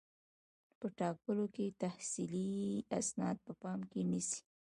په ټاکلو کې تحصیلي اسناد په پام کې نیسي.